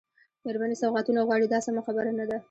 مېرمنې سوغاتونه غواړي دا سمه خبره نه ده.